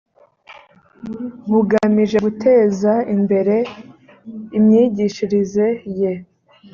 bugamije guteza imbere imyigishirize ye